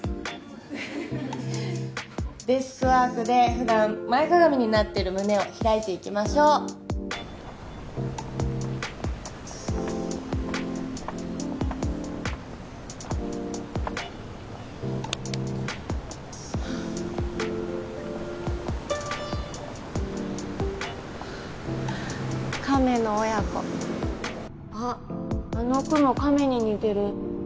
・ハハハデスクワークで普段前かがみになってる胸を開いていきましょう亀の親子あっあの雲亀に似てる